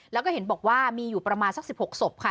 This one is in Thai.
แล้วก็เห็นบอกว่ามีอยู่ประมาณสัก๑๖ศพค่ะ